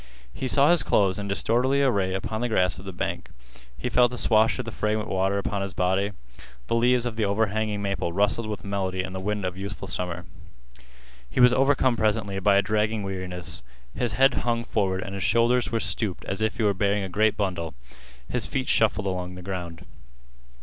He saw his clothes in disorderly array upon the grass of the bank. He felt the swash of the fragrant water upon his body. The leaves of the overhanging maple rustled with melody in the wind of youthful summer. He was overcome presently by a dragging weariness. His head hung forward and his shoulders were stooped as if he were bearing a great bundle. His feet shuffled along the ground.